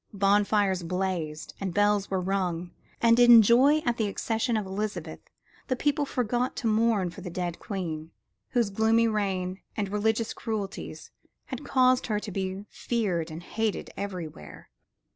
Bonfires blazed and bells were rung; and in joy at the accession of Elizabeth the people forgot to mourn for the dead Queen, whose gloomy reign and religious cruelties had caused her to be feared and hated everywhere.